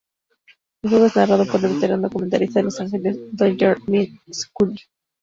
El juego es narrado por el veterano comentarista de Los Angeles Dodgers, Vin Scully.